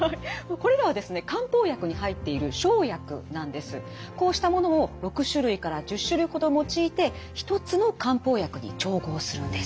こうしたものを６種類から１０種類ほど用いて一つの漢方薬に調合するんです。